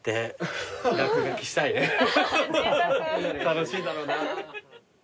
楽しいだろうな。